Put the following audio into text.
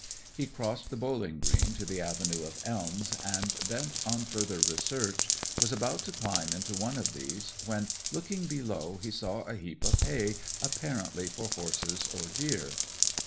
He crossed the bowling green to the avenue of elms, and, bent on further research, was about to climb into one of these, when, looking below, he saw a heap of hay apparently for horses or deer.